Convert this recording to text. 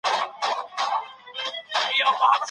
د دفتر مدیر زما په کارونو ډېر باوري دی.